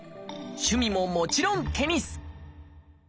趣味ももちろんテニス！